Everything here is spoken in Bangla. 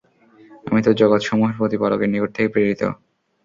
আমি তো জগতসমূহের প্রতিপালকের নিকট থেকে প্রেরিত।